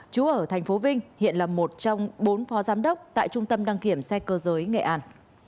chú ở tp vinh hiện là một trong bốn phó giám đốc tại trung tâm đăng kiểm xe cơ giới nghệ an